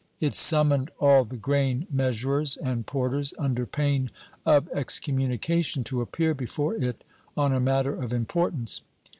It sum moned all the grain measurers and porters, under pain of excom munication, to appear before it on a matter of importance.